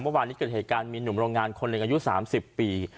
เมื่อวานนี้เกิดเหตุการณ์มีหนุ่มโรงงานคนหนึ่งอายุ๓๐ปี